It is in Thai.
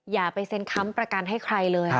อย่าไปเซ็นค้ำประกันให้ใครเลย